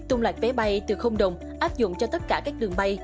tung lạc vé bay từ đồng áp dụng cho tất cả các đường bay